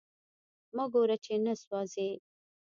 مه ګوره چی نه سوازی